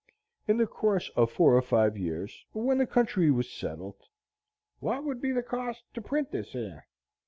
In the course of four or five years, when the country was settled, "What would be the cost to print this yer?"